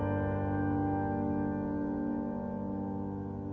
แปรชุดเจ้าเศร้า